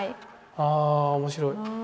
あ面白い。